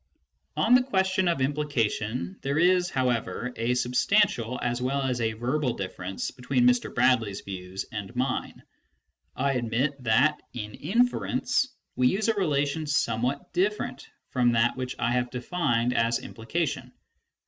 On the question of implication, there is however a substantial as well as a verbal difference between Mr. Bradley's views and mine. I admit that, in inference, we use a relation somewhat different from that which I have defined as implication.